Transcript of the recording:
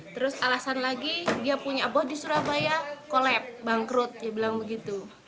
terus alasan lagi dia punya about di surabaya kolab bangkrut dia bilang begitu